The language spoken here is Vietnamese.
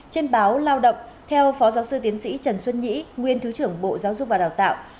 trên báo lao động theo phó giáo sư tiến sĩ trần xuân nhị nguyên thứ trưởng bộ giáo dục và đào tạo